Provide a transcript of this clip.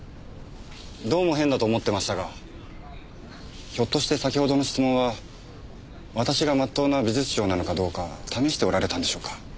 どうも変だと思ってましたがひょっとして先ほどの質問は私が真っ当な美術商なのかどうか試しておられたんでしょうか？